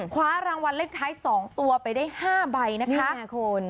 คว้ารางวัลเลขท้าย๒ตัวไปได้๕ใบนะคะคุณ